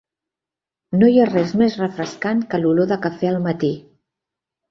No hi ha res més refrescant que l'olor de cafè al matí.